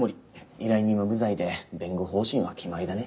依頼人は無罪で弁護方針は決まりだね。